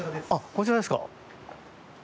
こちらですか？